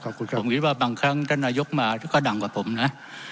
ผมคิดว่าบางครั้งท่านนายกมาก็ดังกว่าผมนะ